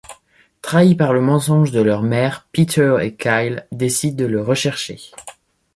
Trahi par le mensonge de leur mère, Peter et Kyle décident de le rechercher.